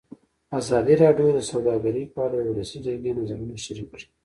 ازادي راډیو د سوداګري په اړه د ولسي جرګې نظرونه شریک کړي.